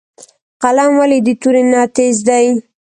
قلم ولې د تورې نه تېز دی؟